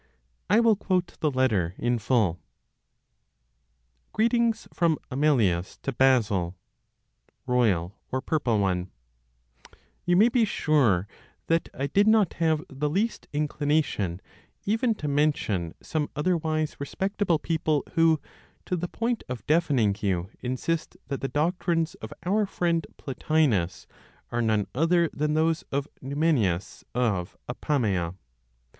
(I will quote the letter in full). "Greetings from Amelius to Basil (Royal, or Purple One): "You may be sure that I did not have the least inclination even to mention some otherwise respectable people who, to the point of deafening you, insist that the doctrines of our friend (Plotinos) are none other than those of Numenius of Apamea.